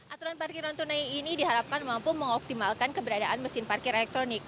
aturan parkir non tunai ini diharapkan mampu mengoptimalkan keberadaan mesin parkir elektronik